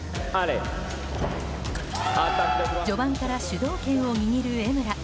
序盤から主導権を握る江村。